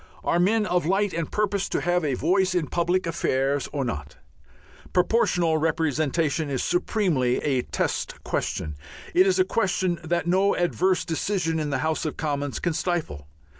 Are men of light and purpose to have a voice in public affairs or not? Proportional Representation is supremely a test question. It is a question that no adverse decision in the House of Commons can stifle.